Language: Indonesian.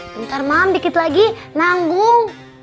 bentar mam dikit lagi nanggung